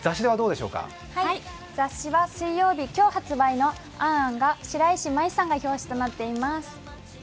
雑誌は水曜日今日発売の「ａｎ・ａｎ」が白石麻衣さんが表紙となっています。